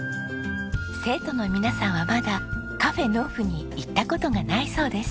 生徒の皆さんはまだｃａｆｅｎｆｕに行った事がないそうです。